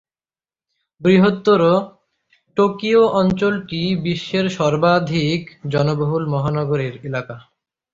বৃহত্তর টোকিও অঞ্চলটি বিশ্বের সর্বাধিক জনবহুল মহানগর এলাকা।